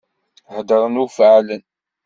Heddṛen ur faɛlen.